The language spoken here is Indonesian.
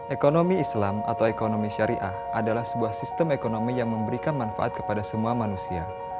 ekonomi islam atau ekonomi syariah adalah sebuah sistem ekonomi yang memberikan manfaat kepada semua manusia